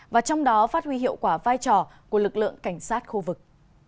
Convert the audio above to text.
và trong đó phát huy hiệu quả vai trò của lực lượng cảnh sát khu vực